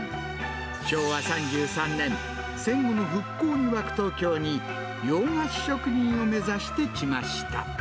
昭和３３年、戦後の復興に沸く東京に洋菓子職人を目指してきました。